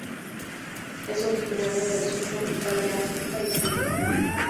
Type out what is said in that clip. Es originario del sur tropical de África y la India.